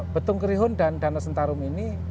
betung kerihun dan danau sentarum ini